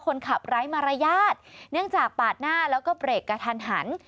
ไร้มารยาทเนื่องจากปาดหน้าแล้วก็เบรกกระทันหัน